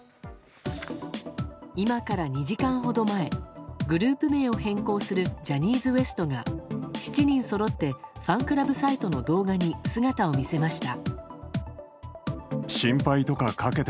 今から２時間ほど前グループ名を変更するジャニーズＷＥＳＴが７人そろってファンクラブサイトの動画に姿を見せました。